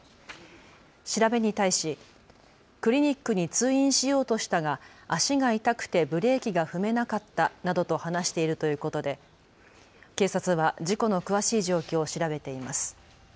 調べに対しクリニックに通院しようとしたが足が痛くてブレーキが踏めなかったなどと話しているということで警察は事故の詳しい状況を調べています。